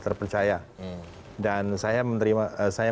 terpercaya dan saya